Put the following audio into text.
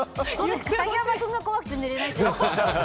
竹山君が怖くて寝れないよ。